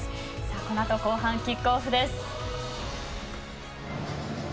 この後、後半キックオフです。